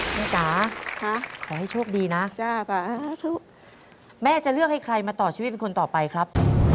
จ๋าขอให้โชคดีนะแม่จะเลือกให้ใครมาต่อชีวิตเป็นคนต่อไปครับ